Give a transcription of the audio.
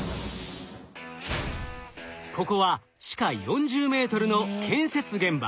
ここは地下４０ｍの建設現場。